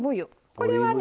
これはね